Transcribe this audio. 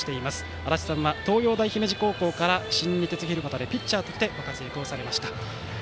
足達さんは、東洋大姫路高校から新日鉄広畑でピッチャーとしてご活躍されました。